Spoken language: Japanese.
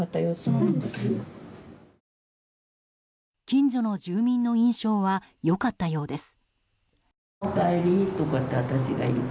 近所の住民の印象は良かったようです。